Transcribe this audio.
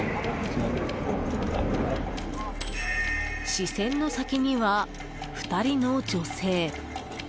視線の先には２人の女性。